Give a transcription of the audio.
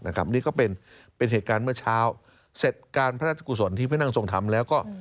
นะครับนี่ก็เป็นเป็นเหตุการณ์เมื่อเช้าเสร็จการพระราชกุศลที่พระนางทรงทำแล้วก็